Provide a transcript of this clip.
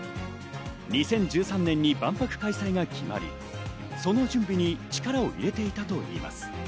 ２０１３年に万博開催が決まり、その準備に力を入れていたといいます。